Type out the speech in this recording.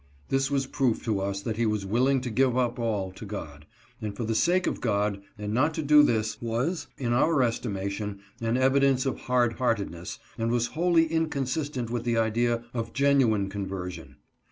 This was proof to us that he was willing to give up all to God, and for the sake of God, and not to do this was, in our estimation, an evidence of hard heartedness, and was wholly incon sistent with the idea of genuine conversion.